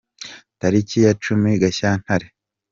Tariki ya cumi Gashyantare